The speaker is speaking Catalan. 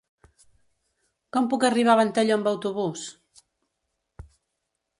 Com puc arribar a Ventalló amb autobús?